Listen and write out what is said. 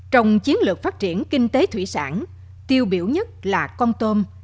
trong chiến lược phát triển kinh tế thủy sản tiêu biểu nhất là con tôm